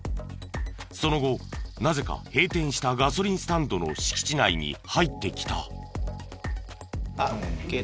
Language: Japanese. その後なぜか閉店したガソリンスタンドの敷地内に入ってきた。